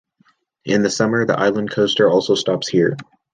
In the summer, the Island Coaster also stops here.